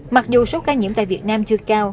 mặc dù số ca nhiễm tại việt nam chưa cao